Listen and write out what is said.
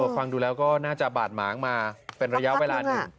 ฟังดูแล้วก็น่าจะบาดหมางมาเป็นระยะเวลาหนึ่ง